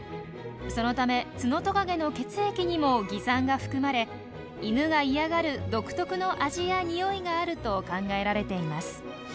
そのためツノトカゲの血液にも蟻酸が含まれイヌが嫌がる独特の味や臭いがあると考えられています。